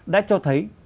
đã cho thấy